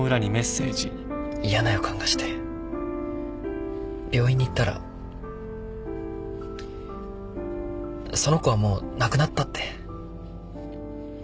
嫌な予感がして病院に行ったらその子はもう亡くなったって。